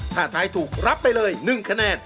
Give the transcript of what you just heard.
ถ้าทายถูกรับไปเลย๑คะแนน